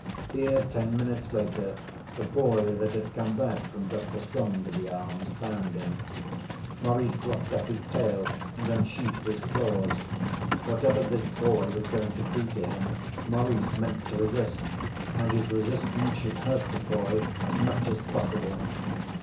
Here, ten minutes later, the boy that had come back from Dr. Strongitharm's found him. Maurice fluffed up his tail and unsheathed his claws. Whatever this boy was going to do to him Maurice meant to resist, and his resistance should hurt the boy as much as possible.